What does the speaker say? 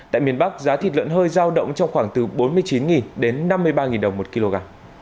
tại miền bắc giá thịt lợn hơi giao động trong khoảng từ bốn mươi chín đến năm mươi ba đồng một kg